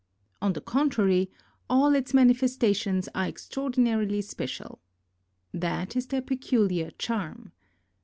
On the contrary all its mani festations are extraordinarily special. That is their peculiar charm.